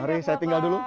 mari saya tinggal dulu